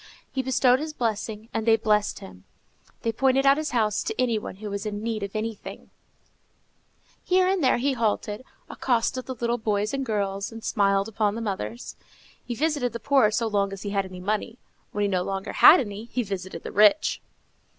He bestowed his blessing, and they blessed him. They pointed out his house to any one who was in need of anything. [Illustration: The Comforter] Here and there he halted, accosted the little boys and girls, and smiled upon the mothers. He visited the poor so long as he had any money; when he no longer had any, he visited the rich.